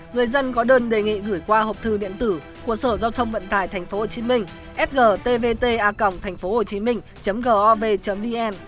người dân có đơn đề nghị gửi qua hộp thư điện tử của sở giao thông vận tải tp hcm sgtvta thph gov vn